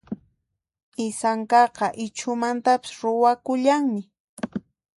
Isankaqa Ichhumantapis ruwakullanmi.